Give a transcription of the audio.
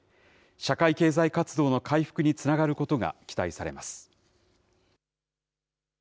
社会経済活動の回復につながることが期待されます。